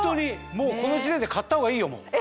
もうこの時点で買ったほうがいいよ。